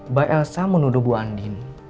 mbak elsa menuduh bu andin